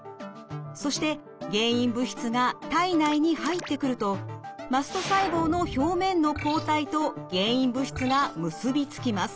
そして原因物質が体内に入ってくるとマスト細胞の表面の抗体と原因物質が結び付きます。